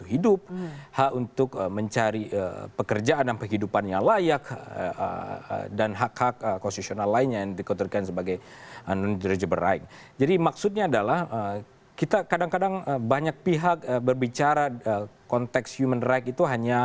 kita akan lanjutkan setelah jeda berikut